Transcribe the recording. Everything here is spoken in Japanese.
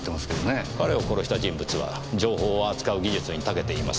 彼を殺した人物は情報を扱う技術に長けています。